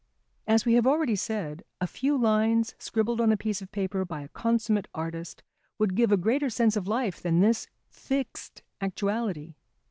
As we have already said, a few lines scribbled on a piece of paper by a consummate artist would give a greater sense of life than this fixed actuality.